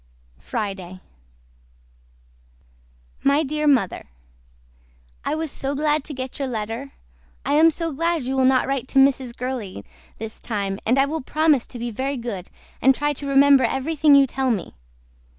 FRIDAY MY DEAR MOTHER I WAS SO GLAD TO GET YOUR LETTER I AM SO GLAD YOU WILL NOT WRITE TO MRS. GURLEY THIS TIME AND I WILL PROMISE TO BE VERY GOOD AND TRY TO REMEMBER EVERYTHING YOU TELL ME.